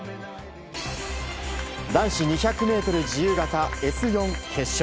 男子２００ｍ自由形Ｓ４決勝。